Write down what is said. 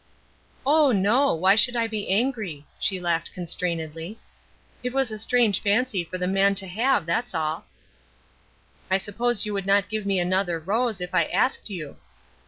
"Oh, no! Why should I be angry?" she laughed constrainedly. "It was a strange fancy for the man to have, that's all." "I suppose you would not give me another rose, if I asked you."